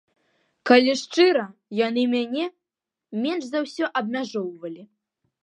Калі шчыра, яны мяне менш за ўсё абмяжоўвалі.